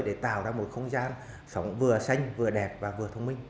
để tạo ra một không gian sống vừa xanh vừa đẹp và vừa thông minh